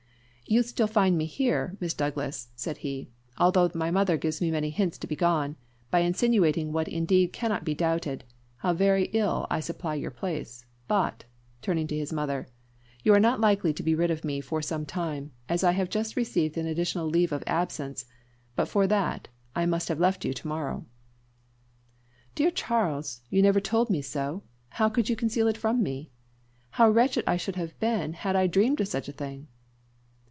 "You find me still here, Miss Douglas," said he, "although my mother gives me many hints to be gone, by insinuating what indeed cannot be doubted, how very ill I supply your place; but " turning to his mother "you are not likely to be rid of me for sometime, as I have just received an additional leave of absence; but for that, I must have left you tomorrow." "Dear Charles, you never told me so. How could you conceal it from me? How wretched I should have been had I dreamed of such a thing!"